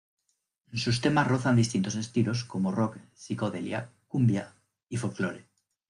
Sus temas rozan distintos estilos como rock, psicodelia, cumbia y folklore.